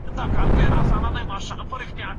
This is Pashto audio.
انسان په لوږه، ستونزو او ناروغۍ کي ژوند کولای سي.